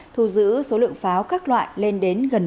thu giữ số lượng pháo các loại lên đến gần một tấn